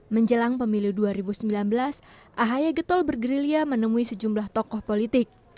menjelang pemiliu dua ribu sembilan belas ahy getol bergerilia menemui sejumlah toko politik